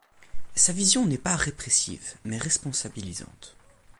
Sa vision n'est pas répressive mais responsabilisante.